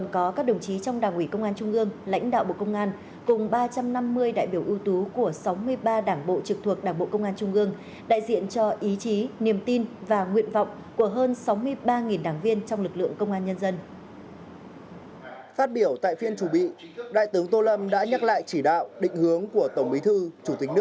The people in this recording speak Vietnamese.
các sự kiện chính trị quan trọng của đất nước